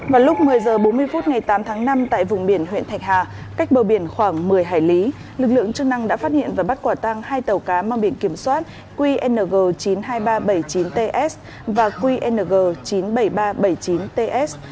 vào lúc một mươi h bốn mươi phút ngày tám tháng năm tại vùng biển huyện thạch hà cách bờ biển khoảng một mươi hải lý lực lượng chức năng đã phát hiện và bắt quả tăng hai tàu cá mang biển kiểm soát qng chín mươi hai nghìn ba trăm bảy mươi chín ts và qng chín mươi bảy nghìn ba trăm bảy mươi chín ts